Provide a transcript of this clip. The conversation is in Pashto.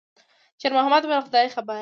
شېرمحمد وویل: «خدای خبر.»